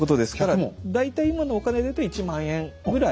大体今のお金で言うと１万円ぐらい。